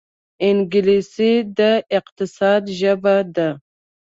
انګلیسي د اقتصاد ژبه ده